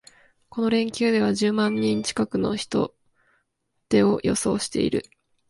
この連休では十万人近くの人出を予想している